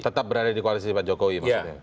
tetap berada di koalisi pak jokowi maksudnya